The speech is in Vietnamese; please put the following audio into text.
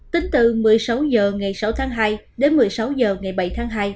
tính từ một mươi sáu h ngày sáu tháng hai đến một mươi sáu h ngày bảy tháng hai